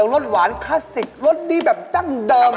โล่งรสหวานคาสิครสดีแบบดั้งเดิม